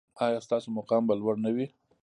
ایا ستاسو مقام به لوړ نه وي؟